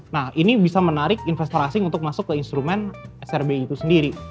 nah ini bisa menarik investor asing untuk masuk ke instrumen srbi itu sendiri